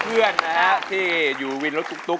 ร้องได้ให้ร้อง